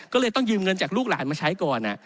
ก็เลยต้องยืมเงินจากลูกหลานมาใช้ก่อน